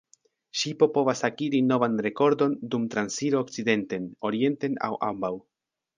Ŝipo povas akiri novan rekordon dum transiro okcidenten, orienten aŭ ambaŭ.